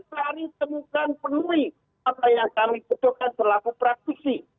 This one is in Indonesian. mari temukan penuhi apa yang kami butuhkan selama praktisi